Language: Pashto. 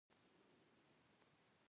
مشهور مفسرین او علما همغږي دي.